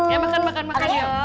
ya makan makan yuk